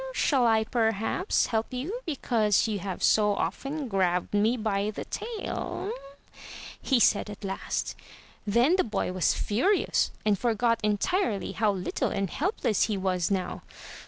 "Shall I perhaps help you because you have so often grabbed me by the tail?" he said at last. Then the boy was furious and forgot entirely how little and helpless he was now.